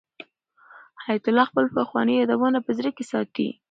حیات الله خپل پخواني یادونه په زړه کې ساتي.